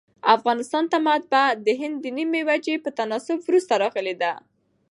افغانستان ته مطبعه دهند د نیمي وچي په تناسب وروسته راغلې ده.